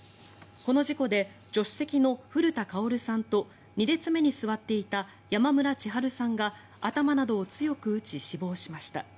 この事故で助手席の古田薫さんと２列目に座っていた山村千花さんが頭などを強く打ち死亡しました。